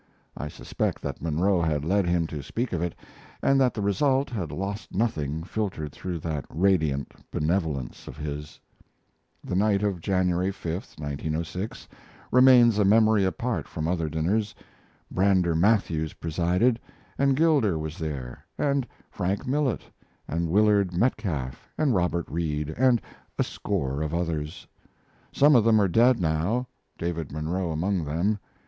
I suspect that Munro had led him to speak of it, and that the result had lost nothing filtered through that radiant benevolence of his. The night of January 5, 1906, remains a memory apart from other dinners. Brander Matthews presided, and Gilder was there, and Frank Millet and Willard Metcalf and Robert Reid, and a score of others; some of them are dead now, David Munro among them.